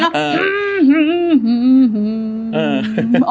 ฮือฮือฮือฮือฮือฮือฮือ